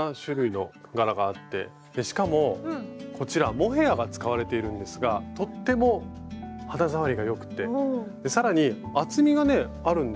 でしかもこちらモヘアが使われているんですがとっても肌触りが良くて更に厚みがねあるんですけど。